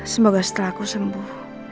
semoga setelah aku sembuh